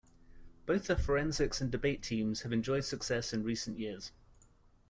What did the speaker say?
Both the forensics and debate teams have enjoyed success in recent years.